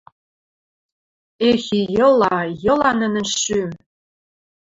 Эх и йыла, йыла нӹнӹн шӱм.